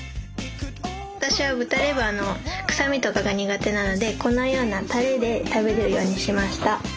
私は豚レバーの臭みとかが苦手なのでこのようなタレで食べるようにしました。